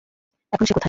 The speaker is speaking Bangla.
এখন সে কোথায়!